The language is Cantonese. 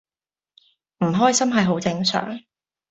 唔開心係好正常